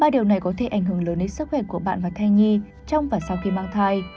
ba điều này có thể ảnh hưởng lớn đến sức khỏe của bạn và thai nhi trong và sau khi mang thai